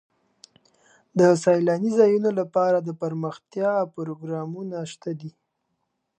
د سیلاني ځایونو لپاره دپرمختیا پروګرامونه شته دي.